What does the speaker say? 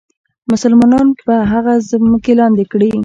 مسلمانان به هغه ځمکې لاندې کړي.